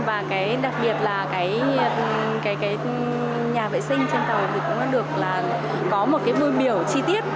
và đặc biệt là nhà vệ sinh trên tàu cũng được có một bưu biểu chi tiết